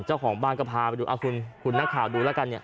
เจ้าของบ้านก็พาไปดูคุณนักข่าวดูแล้วกันเนี่ย